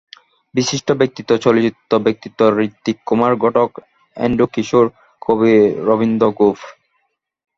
বিশিষ্ট ব্যক্তিত্ব—চলচ্চিত্র ব্যক্তিত্ব ঋত্বিক কুমার ঘটক, এন্ড্রু কিশোর, কবি রবীন্দ্র গোপ।